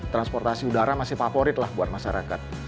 transportasi udara masih favorit lah buat masyarakat